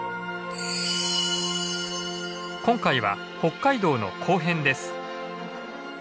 今回は北海道の後編です。